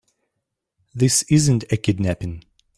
This isn't a kidnapping.